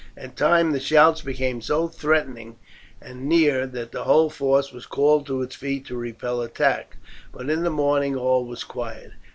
At times the shouts became so threatening and near that the whole force was called to its feet to repel attack, but in the morning all was quiet.